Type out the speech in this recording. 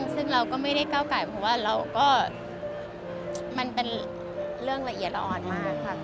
ซึ่งเราก็ไม่ได้ก้าวไก่เพราะว่าเราก็มันเป็นเรื่องละเอียดละอ่อนมากค่ะ